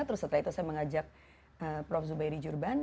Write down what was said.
terus setelah itu saya mengajak prof zubairi jurban